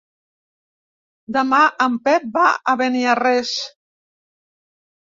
Demà en Pep va a Beniarrés.